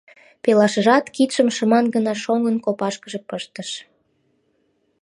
Пелашыжат кидшым шыман гына шоҥгын копашкыже пыштыш.